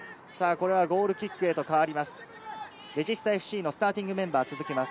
これはゴールキックへと変わります。